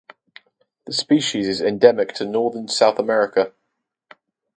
The species is endemic to northern South America.